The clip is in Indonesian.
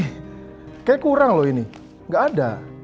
kayaknya kurang loh ini gak ada